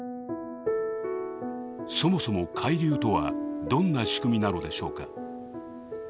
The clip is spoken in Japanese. そもそも海流とはどんな仕組みなのでしょうか。